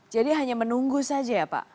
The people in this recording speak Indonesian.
jadi hanya menunggu saja ya pak